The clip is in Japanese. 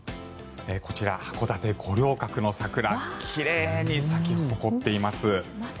こちら函館・五稜郭の桜奇麗に咲き誇っています。